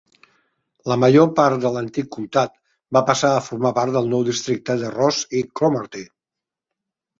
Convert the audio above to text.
La major part de l'antic comtat va passar a formar part del nou districte de Ross i Cromarty.